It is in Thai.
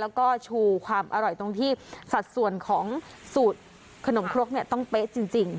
แล้วก็ชูความอร่อยตรงที่สัดส่วนของสูตรขนมครกเนี่ยต้องเป๊ะจริง